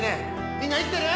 みんな生きてる？